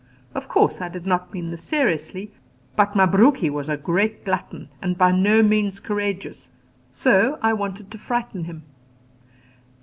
Of course I did not mean this seriously; but Mabruki was a great glutton, and by no means courageous, so I wanted to frighten him.